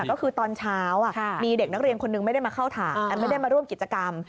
ก็คือตอนเช้ามีเด็กนักเรียนคนนึงไม่ได้มาเข้าฐานอันไม่ได้มาร่วมกิจกรรม